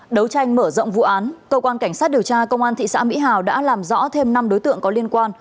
đấu tranh mở rộng vụ án công an thị xã mỹ hào đã làm rõ thêm năm đối tượng có liên quan